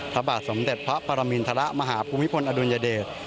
พระบาทสมเด็จพระปรมินทรมาหาภูมิพลอดุลยเดช